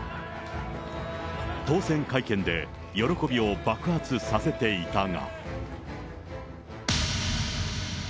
当選会見で、喜びを爆発させていたが。